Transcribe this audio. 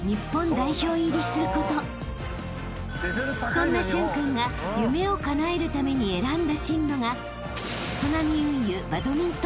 ［そんな駿君が夢をかなえるために選んだ進路が］